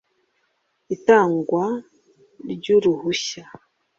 itangwa ry'uruhushya